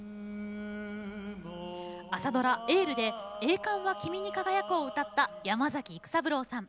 朝ドラ「エール」で「栄冠は君に輝く」を歌った山崎育三郎さん。